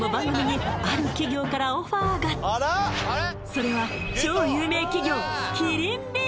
今回もそれは超有名企業